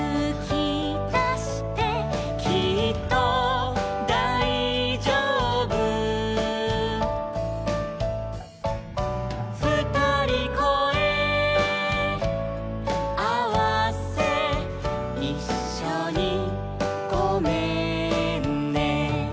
「きっとだいじょうぶ」「ふたりこえあわせ」「いっしょにごめんね」